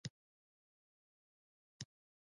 هغه پر متکاوو پر تکیه وه.